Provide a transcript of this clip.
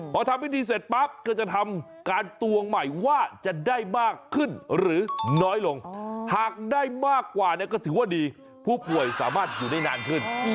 พอทำพิธีเสร็จปั๊บก็จะทำการตวงใหม่ว่าจะได้มากขึ้นหรือน้อยลงหากได้มากกว่าเนี่ยก็ถือว่าดีผู้ป่วยสามารถอยู่ได้นานขึ้น